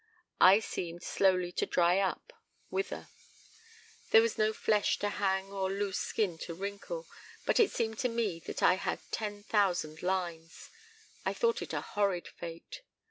I seemed slowly to dry up wither. There was no flesh to hang or loose skin to wrinkle, but it seemed to me that I had ten thousand lines. I thought it a horrid fate.